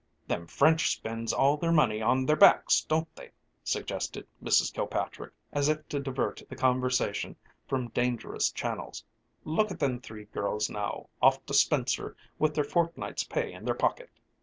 "Them French spinds all their money on their backs, don't they?" suggested Mrs. Kilpatrick, as if to divert the conversation from dangerous channels. "Look at them three girls now, off to Spincer with their fortnight's pay in their pocket!"